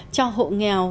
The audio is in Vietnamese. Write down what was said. cho hộ nghèo